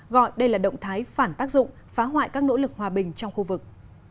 gọi đây là động thái phản tác dụng phá hoại các nỗ lực hòa bình trong khu vực